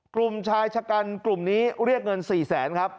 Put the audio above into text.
กลุ่มชายชะกันกลุ่มนี้เรียกเงิน๔แสนครับ